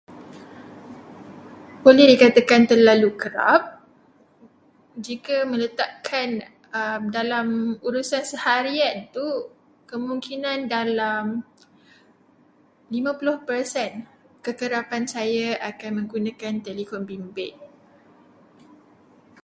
Boleh dikatakan terlalu kerap, jika diletakkan dalam urusan seharian itu, kemungkinan dalam 50 percent kekerapan saya akan menggunakan telefon bimbit.